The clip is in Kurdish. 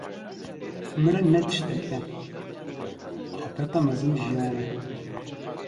Mirin ne tiştek e, afeta mezin jiyan e.